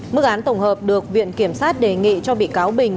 mức án tổng hợp được viện kiểm sát đề nghị cho bị cáo bình